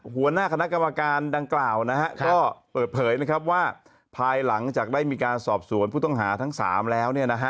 หัวหน้าคณะกรรมการดังกล่าวนะฮะก็เปิดเผยนะครับว่าภายหลังจากได้มีการสอบสวนผู้ต้องหาทั้ง๓แล้ว